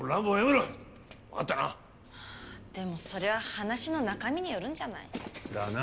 でもそれは話の中身によるんじゃない？だな。